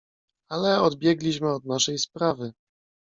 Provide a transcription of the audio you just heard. "Ale odbiegliśmy od naszej sprawy."